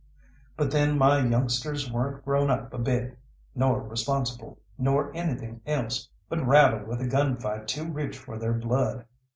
But then my youngsters weren't grown up a bit, nor responsible, nor anything else, but rattled with a gun fight too rich for their blood.